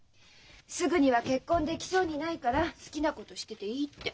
「すぐには結婚できそうにないから好きなことしてていい」って。